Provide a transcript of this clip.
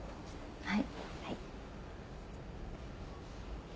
はい。